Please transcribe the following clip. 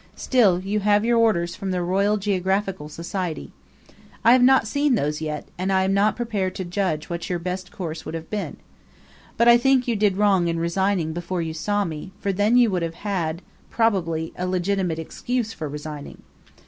Still, you have your orders from the Royal Geographical Society. I have not seen those yet, and I am not prepared to judge what your best course would have been. But I think you did wrong in resigning before you saw me; for then you would have had, probably, a legitimate excuse for resigning.